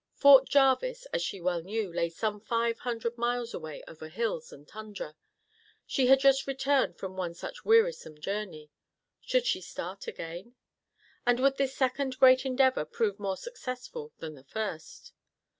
Fort Jarvis, as she well knew, lay some five hundred miles away over hills and tundra. She had just returned from one such wearisome journey. Should she start again? And would this second great endeavor prove more successful than the first?